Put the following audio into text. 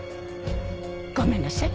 ごめんなさい。